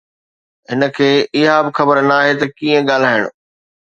هن کي اها به خبر ناهي ته ڪيئن ڳالهائڻ